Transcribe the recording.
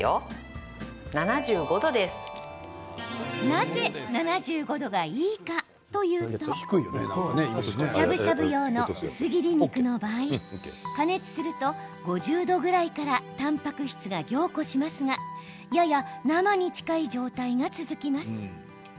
なぜ７５度がいいかというとしゃぶしゃぶ用の薄切り肉の場合加熱すると５０度ぐらいからたんぱく質が凝固しますがやや生に近い状態が続きます。